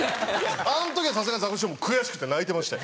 あの時はさすがにザコシショウも悔しくて泣いてましたよ。